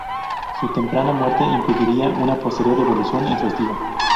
Su temprana muerte impediría una posterior evolución en su estilo.